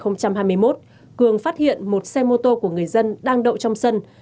năm hai nghìn hai mươi một cường phát hiện một xe mô tô của người dân đang đậu trong sân